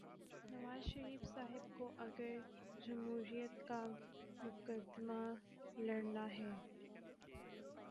نواز شریف صاحب کو اگر جمہوریت کا مقدمہ لڑنا ہے۔